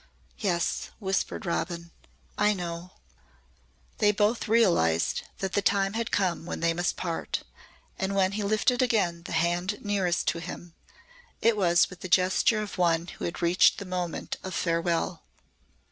"Yes," whispered Robin, "I know." They both realised that the time had come when they must part, and when he lifted again the hand nearest to him, it was with the gesture of one who had reached the moment of farewell.